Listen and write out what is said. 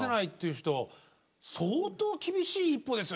人相当厳しい一歩ですよ